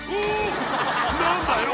何だよ